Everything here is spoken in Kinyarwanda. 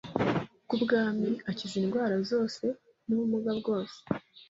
bw ubwami akiza indwara zose n ubumuga bwose